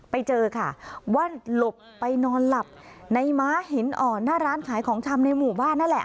ไปเจอค่ะว่าหลบไปนอนหลับในม้าหินอ่อนหน้าร้านขายของชำในหมู่บ้านนั่นแหละ